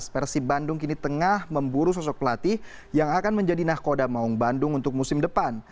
persib bandung kini tengah memburu sosok pelatih yang akan menjadi nahkoda maung bandung untuk musim depan